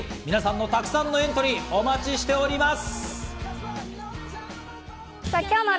皆さんの沢山のエントリー、お待ちしております！